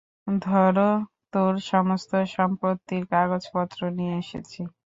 ধর, তোর সমস্ত সম্পত্তির কাগজপত্র নিয়ে এসেছি।